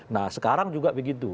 nah sekarang juga begitu